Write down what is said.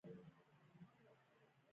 د فراه په انار دره کې د سمنټو مواد شته.